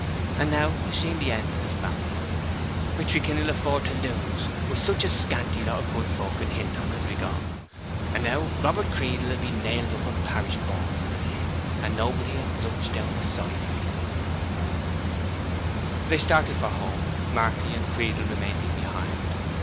—and now I've seen the end of the family, which we can ill afford to lose, wi' such a scanty lot of good folk in Hintock as we've got. And now Robert Creedle will be nailed up in parish boards 'a b'lieve; and noboby will glutch down a sigh for he!" They started for home, Marty and Creedle remaining behind.